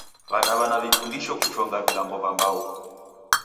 W'adaw'ana w'ifundisho kuchonga vilambo va mbau